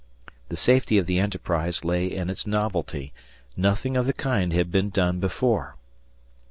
The safety of the enterprise lay in its novelty; nothing of the kind had been done before.